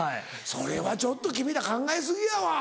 それはちょっと君ら考え過ぎやわ。